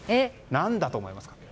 何だと思いますか？